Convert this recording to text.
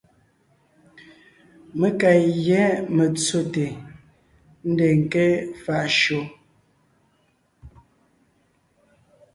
Mé ka gÿá metsóte, ńdeen ńké faʼ shÿó.